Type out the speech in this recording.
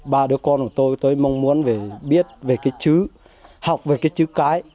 ba đứa con của tôi tôi mong muốn biết về cái chữ học về cái chữ cái